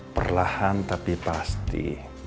perlahan tapi pasti